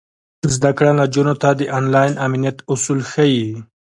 زده کړه نجونو ته د انلاین امنیت اصول ښيي.